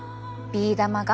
ビー玉が。